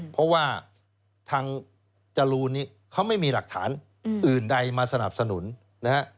เพราะว่าทางจรูนนี้เขาไม่มีหลักฐานอื่นใดมาสนับสนุนนะฮะ